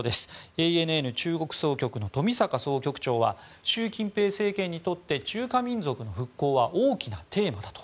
ＡＮＮ中国総局の冨坂総局長は習近平政権にとって中華民族の復興は大きなテーマだと。